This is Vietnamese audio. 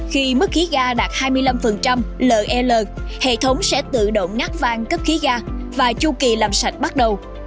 khi mức khí ga đạt hai mươi năm lel hệ thống sẽ tự động ngắt vàng cấp khí ga và chu kỳ làm sạch bắt đầu